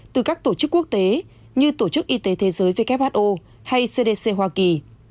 từ các tổ chức quốc tế như tổ chức y tế thế giới who hay cdc hoa kỳ